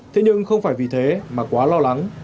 thế nhưng không phải vì thế mà quá lo lắng